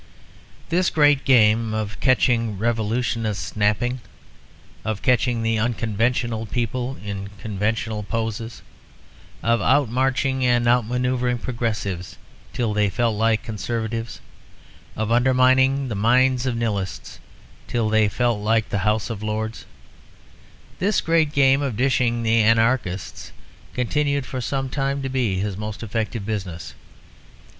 This great game of catching revolutionists napping, of catching the unconventional people in conventional poses, of outmarching and outmanoeuvring progressives till they felt like conservatives, of undermining the mines of Nihilists till they felt like the House of Lords, this great game of dishing the anarchists continued for some time to be his most effective business.